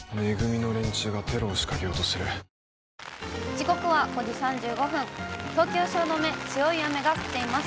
時刻は５時３５分、東京・汐留、強い雨が降っています。